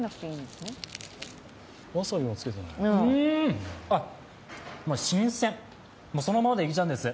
うん、新鮮、そのままでいけちゃうんです。